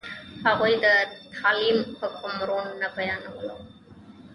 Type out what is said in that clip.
هغوی د تعلیم حکم روڼ نه بیانولو.